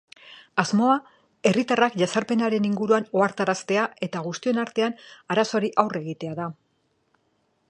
Asmoa, herritarrak jazarpenaren inguruan ohartaraztea eta guztion artean arazoari aurre egitea da.